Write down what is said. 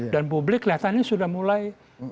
dan publik kelihatannya sudah mulai